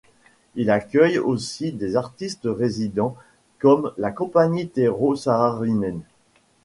Il accueille aussi des artistes résidents comme la Compagnie Tero Saarinen.